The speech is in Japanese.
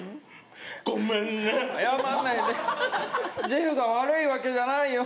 「ジェフが悪いわけじゃないよ。